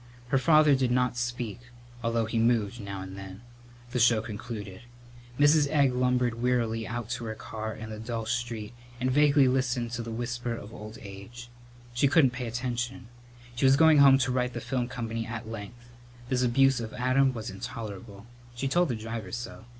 Her father did not speak, although he moved now and then. The show concluded. Mrs. Egg lumbered wearily out to her car in the dull street and vaguely listened to the whisper of old age. She couldn't pay attention. She was going home to write the film company at length. This abuse of Adam was intolerable. She told the driver so.